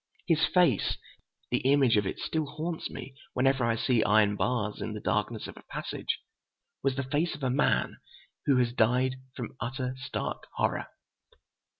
His face—the image of it still haunts me whenever I see iron bars in the darkness of a passage—was the face of a man who has died from utter, stark horror.